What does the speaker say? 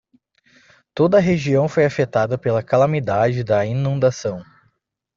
Toda a região foi afetada pela calamidade da inundação.